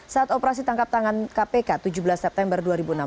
saat operasi tangkap tangan kpk tujuh belas september dua ribu enam belas